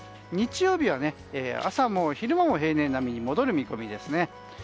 日曜日は朝も昼間も平年並みに戻る見込みですね。